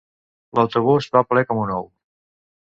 L'autobús va ple com un ou.